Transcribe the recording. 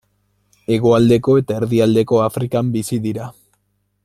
Hegoaldeko eta erdialdeko Afrikan bizi dira.